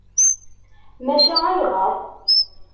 Maca ayɣer?